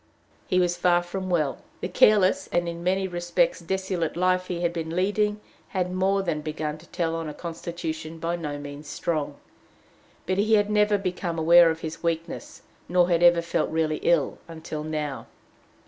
He was far from well. The careless and in many respects dissolute life he had been leading had more than begun to tell on a constitution by no means strong, but he had never become aware of his weakness nor had ever felt really ill until now.